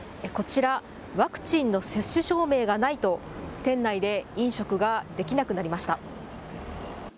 こちら、ワクチンの接種証明がないと、店内で飲食ができなくなりました。